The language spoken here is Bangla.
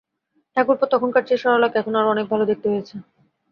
ঠাকুরপো, তখনকার চেয়ে সরলাকে এখন আরো অনেক ভালো দেখতে হয়েছে।